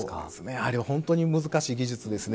やはり本当に難しい技術ですね。